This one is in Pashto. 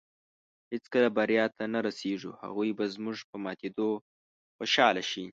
هېڅکله بریا ته نۀ رسېږو. هغوی به زموږ په ماتېدو خوشحاله شي